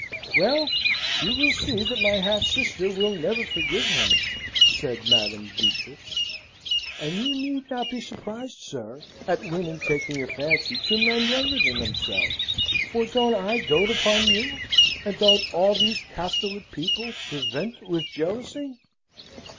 "Well, you will see that my half sister will never forgive him," said Madam Beatrix. "And you need not be surprised, sir, at women taking a fancy to men younger than themselves; for don't I dote upon you; and don't all these Castlewood people crevent with jealousy?"